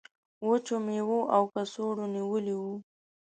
وچو میوو او کڅوړو نیولی و.